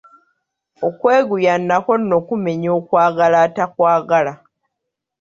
Okweguya nakwo nno kumenya okwagala atakwagala.